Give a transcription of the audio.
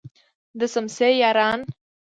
د څمڅې یاران.